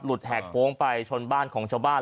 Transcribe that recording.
แหกโค้งไปชนบ้านของชาวบ้าน